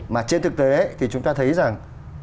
mà trên thực tế thì chúng ta thấy rằng